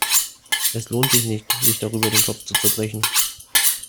Es lohnt sich nicht, sich darüber den Kopf zu zerbrechen.